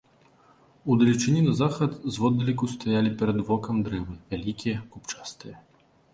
У далечыні на захад зводдалеку стаялі перад вокам дрэвы, вялікія, купчастыя.